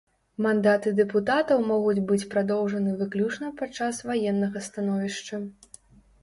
Мандаты дэпутатаў могуць быць прадоўжаны выключна падчас ваеннага становішча.